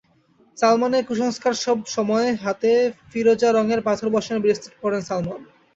সালমানের কুসংস্কারসব সময় হাতে ফিরোজা রঙের পাথর বসানো ব্রেসলেট পরেন সালমান।